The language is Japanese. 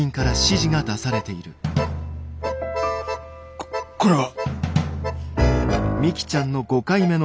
ここれは。